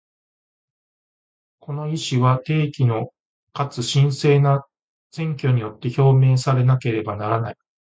この意思は、定期のかつ真正な選挙によって表明されなければならない。